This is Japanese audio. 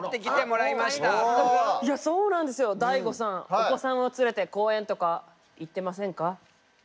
お子さんを連れて公園とか行ってませんか？